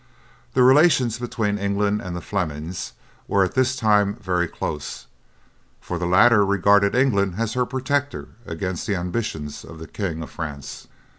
The relations between England and the Flemings were at this time very close, for the latter regarded England as her protector against the ambition of the King of France.